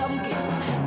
golongan darah amira